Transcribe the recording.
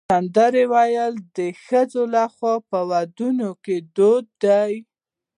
سندرې ویل د ښځو لخوا په ودونو کې دود دی.